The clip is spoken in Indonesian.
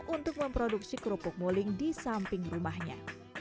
untuk memproduksi kerupuk muling di samping rumahnya